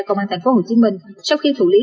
công an tp hcm sau khi thủ lý